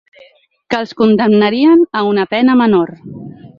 Que els condemnarien a una pena menor.